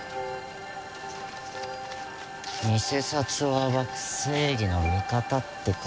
偽札を暴く正義の味方ってか。